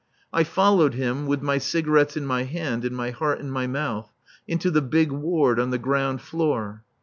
I followed him (with my cigarettes in my hand and my heart in my mouth) into the big ward on the ground floor.